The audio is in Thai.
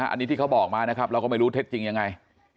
อันนี้ที่เขาบอกมานะครับเราก็ไม่รู้เท็จจริงยังไง